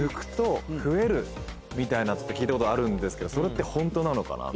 聞いたことあるんですけどそれってホントなのかなって。